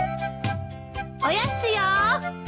おやつよー。